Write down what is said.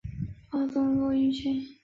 曾祖父周余庆。